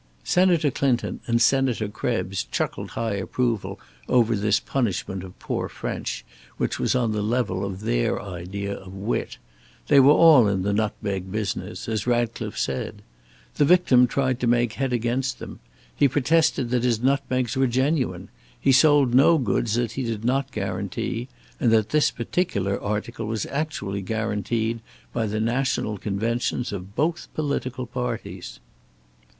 Senator Clinton and Senator Krebs chuckled high approval over this punishment of poor French, which was on the level of their idea of wit. They were all in the nutmeg business, as Ratcliffe said. The victim tried to make head against them; he protested that his nutmegs were genuine; he sold no goods that he did not guarantee; and that this particular article was actually guaranteed by the national conventions of both political parties.